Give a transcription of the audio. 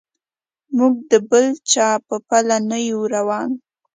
موږ د بل چا په پله نه یو روان.